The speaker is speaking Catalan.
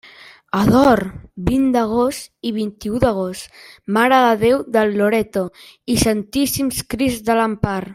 Ador: vint d'agost i vint-i-u d'agost, Mare de Déu del Loreto i Santíssim Crist de l'Empar.